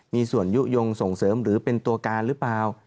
มีส่วนยุโยงส่งเสริมหรือเป็นตัวการหรือเปล่า